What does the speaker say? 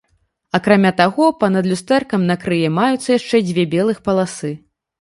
Акрамя таго, па-над люстэркам на крые маюцца яшчэ дзве белых паласы.